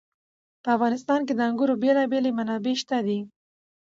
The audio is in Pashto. په افغانستان کې د انګورو بېلابېلې منابع شته دي.